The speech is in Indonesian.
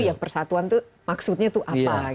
ya persatuan itu maksudnya itu apa